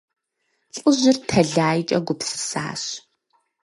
Лӏыжьыр тэлайкӀэ гупсысащ.